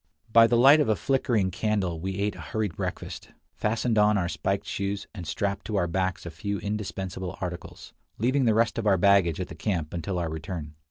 By the light of a flickering candle we ate a hurried breakfast, fastened on our spiked shoes, and strapped to our backs a few indispensable articles, leaving the rest of our baggage at the camp until our return.